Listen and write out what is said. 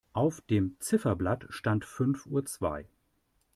Auf dem Ziffernblatt stand fünf Uhr zwei.